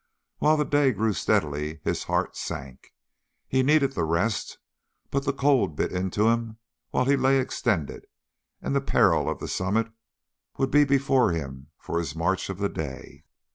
While the day grew steadily his heart sank. He needed the rest, but the cold bit into him while he lay extended, and the peril of the summit would be before him for his march of the day.